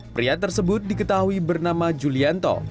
pria tersebut diketahui bernama julianto